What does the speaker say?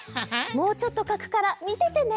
もうちょっとかくからみててね。